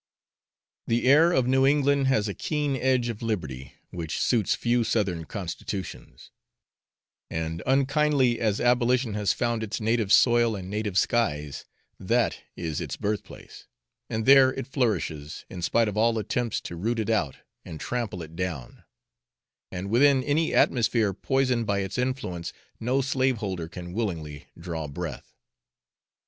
The air of New England has a keen edge of liberty, which suits few Southern constitutions; and unkindly as abolition has found its native soil and native skies, that is its birthplace, and there it flourishes, in spite of all attempts to root it out and trample it down, and within any atmosphere poisoned by its influence no slaveholder can willingly draw breath.